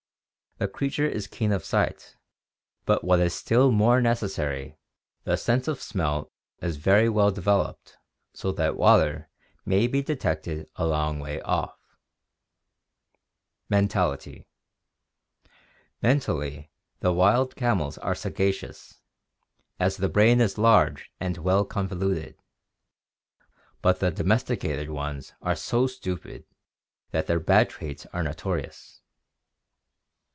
The creature is keen of sight, but what is still more necessary, the sense of smell is very well developed so that water may be detected a long way off. Mentality. — Mentally the wild camels are sagacious, as the brain is large and well convoluted, but the domesticated ones are so stupid that their bad traits are notorious.